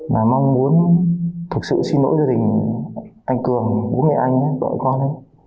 và mong muốn xin lỗi cho đình anh cường bố mẹ anh vợ con